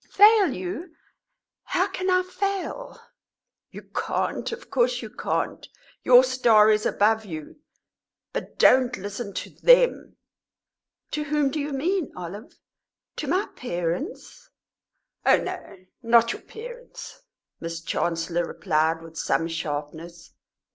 "Fail you? How can I fail?" "You can't, of course you can't. Your star is above you. But don't listen to them." "To whom do you mean, Olive? To my parents?" "Oh no, not your parents," Miss Chancellor replied, with some sharpness.